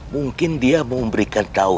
mungkin dia mau memberikan kau